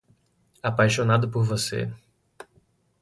Apaixonado por você